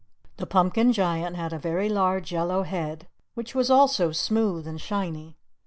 The Pumpkin Giant had a very large, yellow head, which was also smooth and shiny.